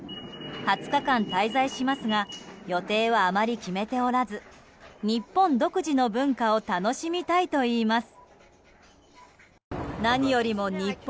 ２０日間、滞在しますが予定はあまり決めておらず日本独自の文化を楽しみたいといいます。